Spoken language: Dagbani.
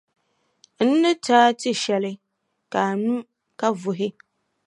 N ni ti a tiʼshɛli ka a nyu, ka vuhi.